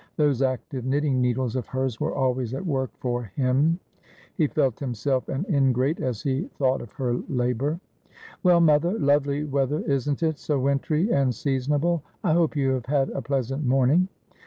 Those active knitting needles of hers were always at work for him„ He felt himself an ingrate, as he thought of her labour. ' Well, mother ; lovely weather, isn't it, so wintry and season able ? I hope you have had a pleasant morning.'